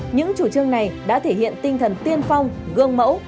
những chủ trương này đã thể hiện tinh thần tiên phong gương mẫu